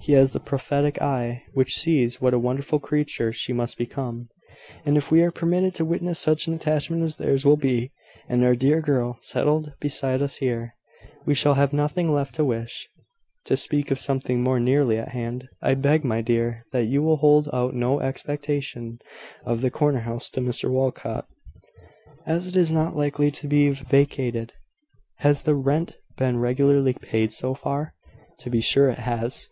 He has the prophetic eye which sees what a wonderful creature she must become. And if we are permitted to witness such an attachment as theirs will be, and our dear girl settled beside us here, we shall have nothing left to wish." "To speak of something more nearly at hand, I beg, my dear, that you will hold out no expectation of the corner house to Mr Walcot, as it is not likely to be vacated." "Has the rent been regularly paid, so far?" "To be sure it has."